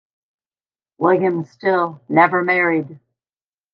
William Still never married.